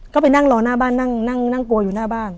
ก็ไปนั่งรอหน้าบ้านนั่งกลัวอยู่หน้าบ้าน